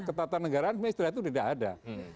ketatanegaraan istilah itu tidak ada